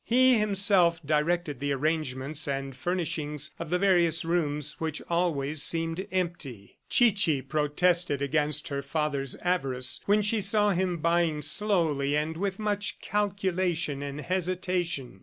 He himself directed the arrangement and furnishings of the various rooms which always seemed empty. Chichi protested against her father's avarice when she saw him buying slowly and with much calculation and hesitation.